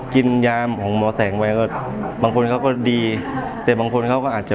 กินยามของหมอแสงไปก็บางคนเขาก็ดีแต่บางคนเขาก็อาจจะ